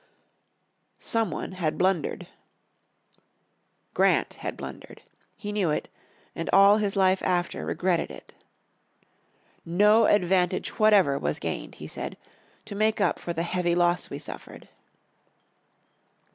"Some one had blundered." Grant had blundered. He knew it, and all his life after regretted it. "No advantage whatever was gained," he said, "to make up for the heavy loss we suffered."